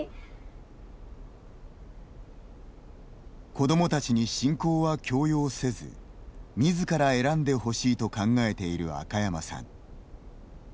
子どもたちに信仰は強要せずみずから選んでほしいと考えている赤山さん。